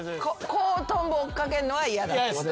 こうトンボ追っ掛けんのは嫌だってことね。